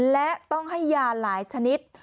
และต้องให้ยาหลายชนิด